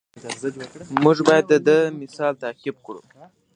موږ باید د ده مثال تعقیب کړو.